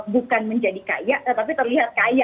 bukan menjadi kaya tapi terlihat kaya